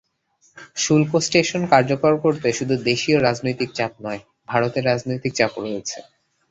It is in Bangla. শুল্ক স্টেশন কার্যকর করতে শুধু দেশীয় রাজনৈতিক চাপ নয়, ভারতের রাজনৈতিক চাপও রয়েছে।